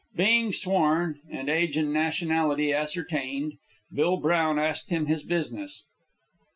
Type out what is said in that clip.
Being sworn, and age and nationality ascertained, Bill Brown asked him his business.